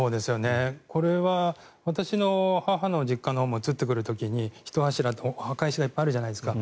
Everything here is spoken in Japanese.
これは私の母の実家も移ってくる時に墓石がいっぱいあるじゃないですか。